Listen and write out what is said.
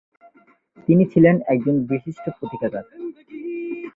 তিনি ছিলেন একজন বিশিষ্ট পুঁথিকার।